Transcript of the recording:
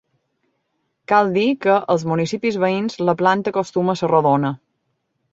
Cal dir que als municipis veïns la planta acostuma a ser rodona.